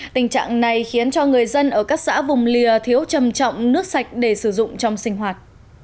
tình trạng này khiến cho người dân ở các xã vùng lìa thiếu trầm trọng nước sạch để sử dụng trong sinh hoạt